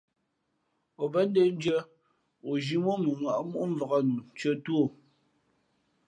O bα̌ ndə̂ndʉ̄ᾱ, o zhī mά ǒ mʉnŋᾱꞌ móꞌmvǎk nu ntʉ̄ᾱ tú o.